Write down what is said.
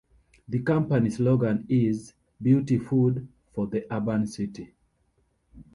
The company slogan is "beauty food for the urban sweety".